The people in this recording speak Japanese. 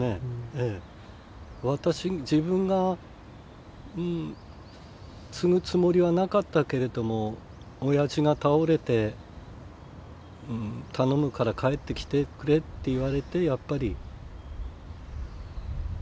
私自分が継ぐつもりはなかったけれども親父が倒れて「頼むから帰ってきてくれ」って言われてやっぱり。